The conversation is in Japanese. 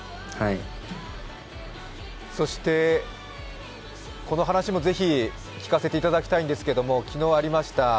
そして、この話もぜひ聞かせていただきたいんですけれども、昨日ありました